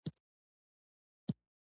راکټ ډېر لوړ تخنیک ته اړتیا لري